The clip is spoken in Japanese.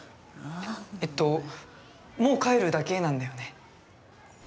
えっともう帰るだけなんだよね？